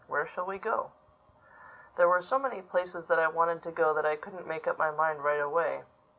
Where shall we go?" There were so many places that I wanted to go that I couldn't make up my mind right away.